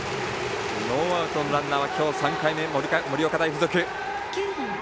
ノーアウトのランナーは今日３回目の盛岡大付属。